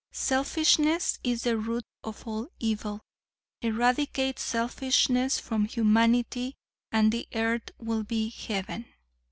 "Selfishness is the root of all evil; eradicate selfishness from humanity and the earth will be heaven.